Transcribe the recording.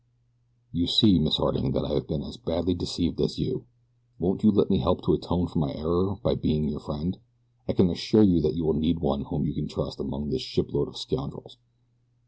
"You see, Miss Harding, that I have been as badly deceived as you. Won't you let me help to atone for my error by being your friend? I can assure you that you will need one whom you can trust amongst this shipload of scoundrels."